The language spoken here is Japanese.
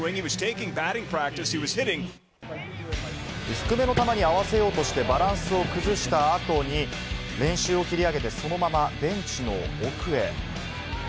低めの球に合わせようとしてバランスを崩した後に、練習を切り上げて、そのままベンチの奥へ。